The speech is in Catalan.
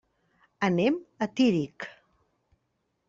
Anem a Tírig.